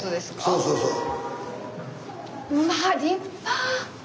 そうそうそう。